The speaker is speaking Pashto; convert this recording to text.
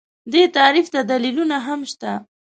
دې تعریف ته دلیلونه هم شته